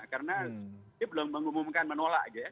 karena belum mengumumkan menolak